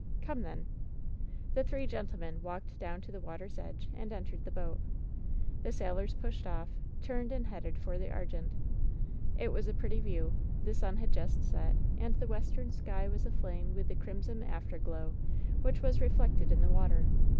"Come, then." The three gentlemen walked down to the water's edge and entered the boat. The sailors pushed off, turned and headed for the Argente. It was a pretty view. The sun had just set, and the western sky was aflame with the crimson afterglow which was reflected in the water.